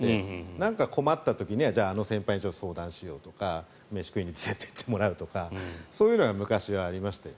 何か困った時あの先輩に相談しようとか飯食いに連れていってもらうとかそういうのは昔、ありました。